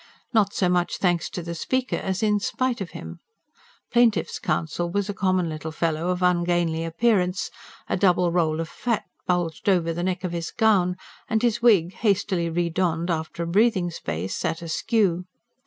Not so much thanks to the speaker, as in spite of him. Plaintiff's counsel was a common little fellow of ungainly appearance: a double toll of fat bulged over the neck of his gown, and his wig, hastily re donned after a breathing space, sat askew.